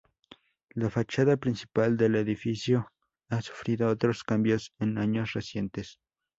La fachada principal del edificio ha sufrido otros cambios en años recientes.